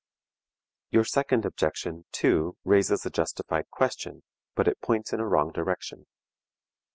Your second objection, too, raises a justified question, but it points in a wrong direction.